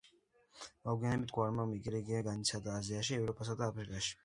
მოგვიანებით გვარმა მიგრირება განიცადა აზიაში, ევროპასა და აფრიკაში.